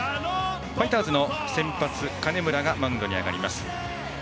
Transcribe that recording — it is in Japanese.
ファイターズの先発金村がマウンドに上がります。